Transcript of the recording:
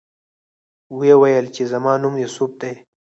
ویې ویل چې زما نوم یوسف دی.